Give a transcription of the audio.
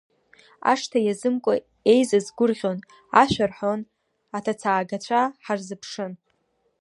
Ашҭа иазымкуа еизаз гәырӷьон, ашәа рҳәон, аҭацаагацәа ҳарзыԥшын.